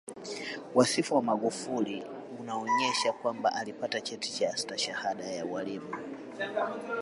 Wasifu wa Magufuli unaonyesha kwamba alipata cheti cha Stashahada ya ualimu